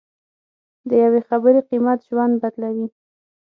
د یوې خبرې قیمت ژوند بدلوي.